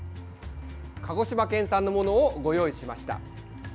鹿児島県産のものをご用意しました。